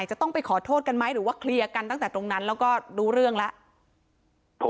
จะต้องไปขอโทษกันไหมหรือว่าเคลียร์กันตั้งแต่ตรงนั้นแล้วก็รู้เรื่องแล้ว